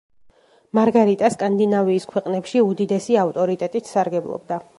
მარგარიტა სკანდინავიის ქვეყნებში უდიდესი ავტორიტეტით სარგებლობდა.